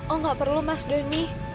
oh nggak perlu mas doni